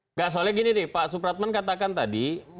enggak soalnya gini nih pak supratman katakan tadi